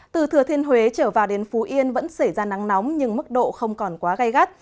đế trở vào đến phú yên vẫn xảy ra nắng nóng nhưng mức độ không còn quá gây gắt